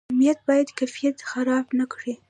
کمیت باید کیفیت خراب نکړي